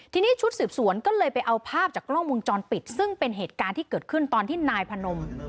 ทีนี้ชุดสืบสวนก็เลยไปเอาภาพจากกล้องวงจรปิดซึ่งเป็นเหตุการณ์ที่เกิดขึ้นตอนที่นายพนม